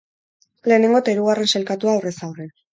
Lehenengo eta hirugarren sailkatua, aurrez aurre.